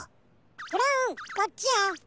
ブラウンこっちよ。